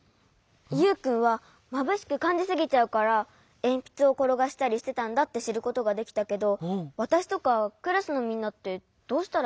ユウくんはまぶしくかんじすぎちゃうからえんぴつをころがしたりしてたんだってしることができたけどわたしとかクラスのみんなってどうしたらいいの？